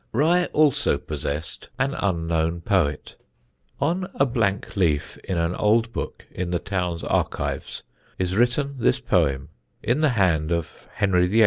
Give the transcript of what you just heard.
Rye also possessed an unknown poet. On a blank leaf in an old book in the town's archives is written this poem, in the hand of Henry VIII.'